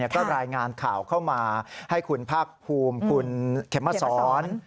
ก็รายงานข่าวเข้ามาให้คุณภาคภูมิคุณเขมสร